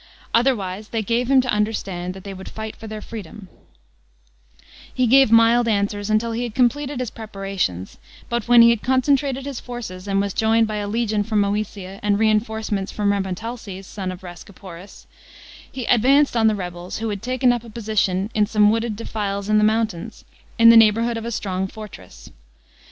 Otherwise they gave him to 555, 26 A.D. WAR IN THRACE. 185 understand that they would tight for their freedom, lie gave mild answers until he had completed his preparations; but when he had concentrated his forces, and was joined by a legion from Mcesia and reinforcements from Rhceiiietalces, son of Rhascuporis, he advanced on the rebels, who had taken up a position in some wooded defiles ha their mountains, in the neighbourhood of a strong fortress.